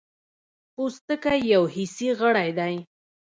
پوستکی یو حسي غړی دی.